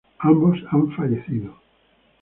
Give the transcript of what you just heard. Ambos han fallecido.